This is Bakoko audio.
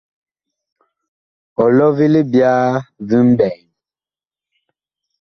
Ɔlɔ vi libyaa vi mɓɛɛŋ.